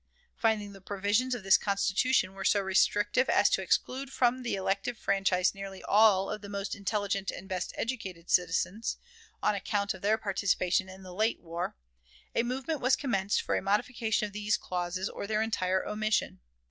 Finding the provisions of this Constitution were so restrictive as to exclude from the elective franchise nearly all of the most intelligent and best educated citizens, on account of their participation in the late war, a movement was commenced for a modification of these clauses or their entire omission.